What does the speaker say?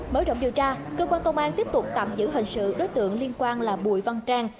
mở rộng điều tra cơ quan công an tiếp tục tạm giữ hình sự đối tượng liên quan là bùi văn trang